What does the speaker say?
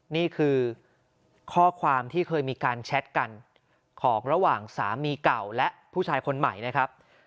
นี่คือข้อความที่เคยมีการแชทกันของระหว่างสามีเก่าและผู้ชายคนใหม่นะครับ